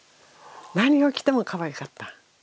何を着てもかわいかった。